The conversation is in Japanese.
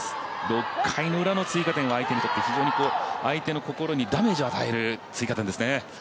６回のウラの追加点をとって、相手の心にダメージを与える追加点ですね。